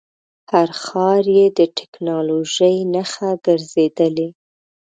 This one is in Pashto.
هر ښار یې د ټکنالوژۍ نښه ګرځېدلی.